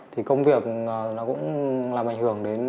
thì công việc nó cũng làm ảnh hưởng đến